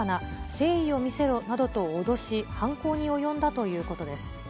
誠意を見せろなどと脅し、犯行に及んだということです。